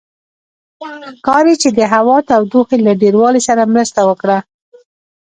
ښکاري چې د هوا تودوخې له ډېروالي سره مرسته وکړه.